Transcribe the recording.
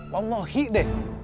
wah ngohi deh